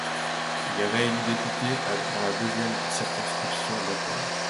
Il est réélu député dans la deuxième circonscription d'Athènes.